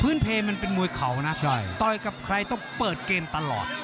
เพลมันเป็นมวยเขานะต่อยกับใครต้องเปิดเกมตลอด